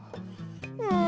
うん。